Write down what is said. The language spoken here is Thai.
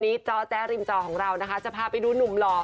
จอแจ๊ริมจอของเรานะคะจะพาไปดูหนุ่มหล่อ